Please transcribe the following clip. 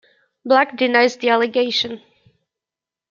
Black denies the allegation.